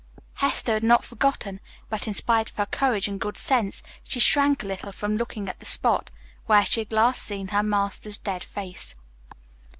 Hester had not forgotten, but in spite of her courage and good sense she shrank a little from looking at the spot where she had last seen her master's dead face.